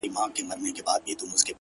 سترگو کي باڼه له ياده وباسم!!